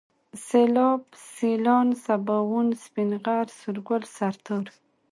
سيلاب ، سيلان ، سباوون ، سپين غر ، سورگل ، سرتور